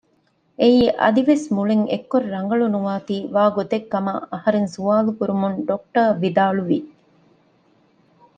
އެއީ އަދިވެސް މުޅިން އެއްކޮށް ރަނގަޅުނުވާތީ ވާގޮތެއް ކަމަށް އަހަރެން ސުވާލުކުރުމުން ޑޮކްޓަރ ވިދާޅުވި